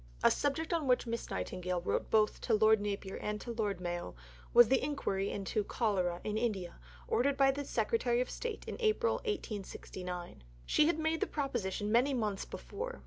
A subject on which Miss Nightingale wrote both to Lord Napier and to Lord Mayo was the inquiry into cholera in India ordered by the Secretary of State in April 1869. She had made the proposition many months before.